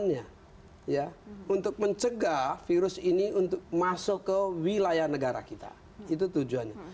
nah untuk mencegah virus ini untuk masuk ke wilayah negara kita itu tujuannya